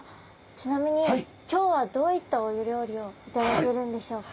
ちなみに今日はどういったお料理を頂けるんでしょうか？